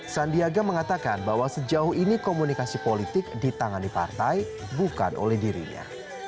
sandiaga mengatakan bahwa sejauh ini komunikasi politik ditangani partai bukan oleh dirinya